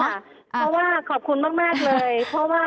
เพราะว่าขอบคุณมากเลยเพราะว่า